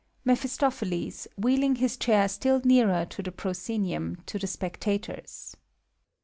MEPHISTOPHELES (wheeling his chair still nearer to the proscenium, to the spectators).